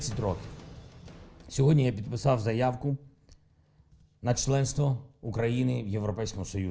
tiga puluh tahun hari ini saya menandatangani dokumen pengajuan keanggotaan uni rusia